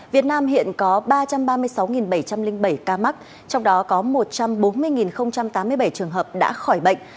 việt nam hiện có ba trăm ba mươi sáu bảy trăm linh bảy ca mắc trong đó có một trăm bốn mươi tám mươi bảy trường hợp đã khỏi bệnh